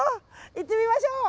行ってみましょう！